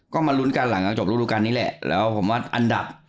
ก็มาลุ้นกันหลังจากจบรูดูการนี้แหละแล้วผมว่าอันดับ